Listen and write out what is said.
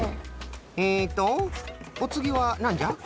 えっとおつぎはなんじゃ？